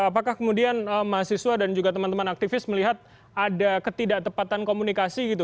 apakah kemudian mahasiswa dan juga teman teman aktivis melihat ada ketidaktepatan komunikasi gitu